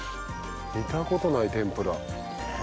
見たことない天ぷら。